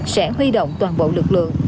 sẽ huy động toàn bộ lực lượng